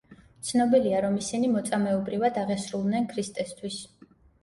ცნობილია, რომ ისინი მოწამეობრივად აღესრულნენ ქრისტესთვის.